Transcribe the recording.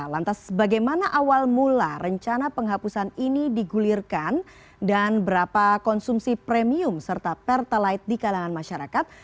lantas bagaimana awal mula rencana penghapusan ini digulirkan dan berapa konsumsi premium serta pertalite di kalangan masyarakat